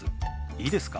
いいですか？